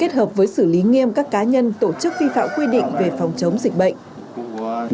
kết hợp với xử lý nghiêm các cá nhân tổ chức vi phạm quy định về phòng chống dịch bệnh